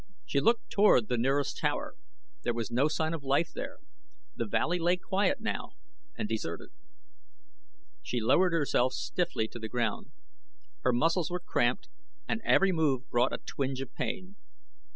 She looked toward the nearest tower. There was no sign of life there. The valley lay quiet now and deserted. She lowered herself stiffly to the ground. Her muscles were cramped and every move brought a twinge of pain.